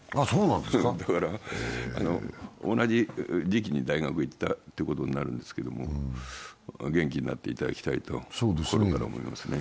だから同じ時期に大学行ってたことになるんですがお元気になっていただきたいと心から思いますね。